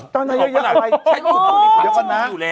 เจ้านายเยอะอะไร